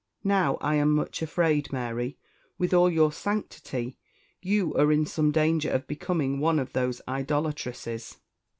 Now I am much afraid, Mary, with all your sanctity, you are in some danger of becoming one of these idolatresses."